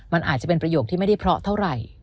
มันอาจจะเป็นประโยคที่ไม่ได้เพราะเท่าไหร่